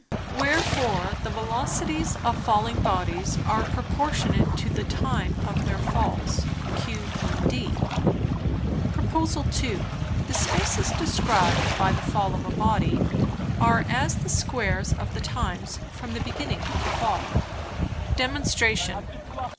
Wherefore the Velocities of falling Bodies, are proportionate to the Time of their Falls, Q. E. D. [Illustration: Plate 4. pag. 310] Prop. II. The Spaces described by the Fall of a Body, are as the Squares of the Times, from the beginning of the Fall. _Demonstration.